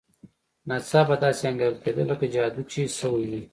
ناڅاپه داسې انګېرل کېده لکه جادو چې شوی وي.